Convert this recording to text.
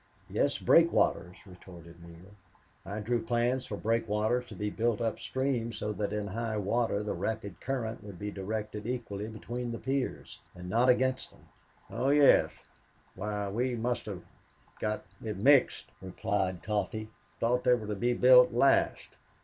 "Yes, breakwaters," retorted Neale. "I drew plans for breakwaters to be built up stream so that in high water the rapid current would be directed equally between the piers, and not against them." "Oh yes! Why we must have got it mixed," replied Coffee. "Thought they were to be built last.